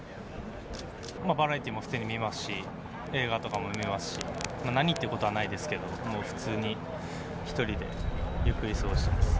まあ、バラエティーも普通に見ますし、映画とかも見ますし、何ってことはないですけど、もう普通に、１人でゆっくり過ごしてます。